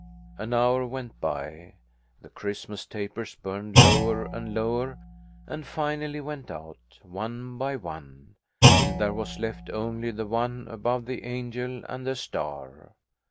An hour went by. The Christmas tapers burned lower and lower, and finally went out, one by one, till there was left only the one above the angel and the star.